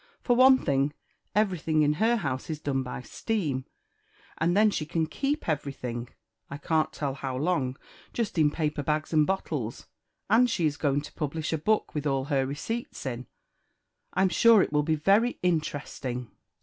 For one thing, everything in her house is done by steam; and then she can keep everything, I can't tell how long, just in paper bags and bottles; and she is going to publish a book with all her receipts in it. I'm sure it will be very interesting."